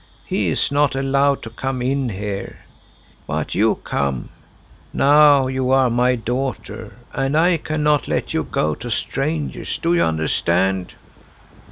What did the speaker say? He is not allowed to come in here. But you come. Now you are my daughter, and I cannot let you go to strangers, do you understand?"